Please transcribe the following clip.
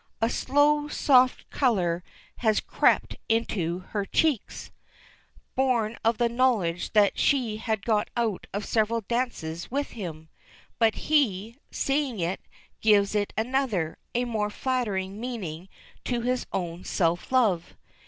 A slow soft color has crept into her cheeks, born of the knowledge that she had got out of several dances with him. But he, seeing it, gives it another, a more flattering meaning to his own self love.